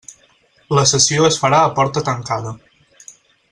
La sessió es farà a porta tancada.